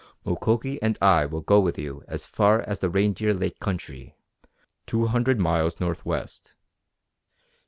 Mukoki and I will go with you as far as the Reindeer Lake country, two hundred miles northwest.